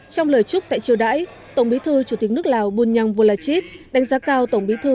trong lời chúc tại triều đãi tổng bí thư chủ tịch nước lào bunyang volachit đánh giá cao tổng bí thư